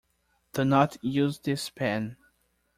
Do not use this pen.